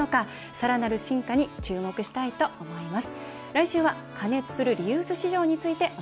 さらなる進化に注目したいと思います。